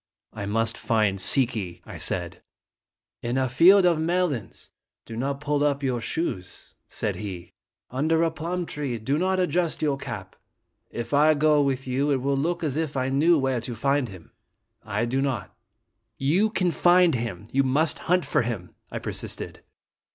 "I must find Si ki," I said. " In a field of melons do not pull up your shoes," said he; "under a plum tree do not adjust your cap. If I go with you, it will look as if I knew where to find him. I do not." "You can find him. You must hunt for him," I persisted.